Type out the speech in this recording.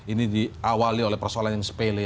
ini diawali oleh persoalan yang sepele